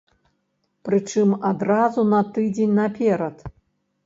Прычым адразу на тыдзень наперад.